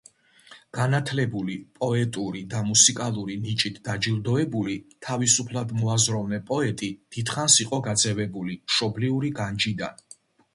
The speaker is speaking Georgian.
განათლებული, პოეტური და მუსიკალური ნიჭით დაჯილდოებული, თავისუფლად მოაზროვნე პოეტი დიდხანს იყო გაძევებული მშობლიური განჯიდან.